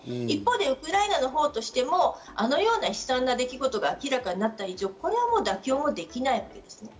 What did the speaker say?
一方でウクライナのほうとしても、あのような悲惨な出来事が明らかになっている以上、これはもう妥協できないわけです。